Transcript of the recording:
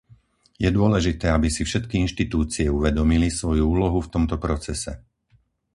Je dôležité, aby si všetky inštitúcie uvedomili svoju úlohu v tomto procese.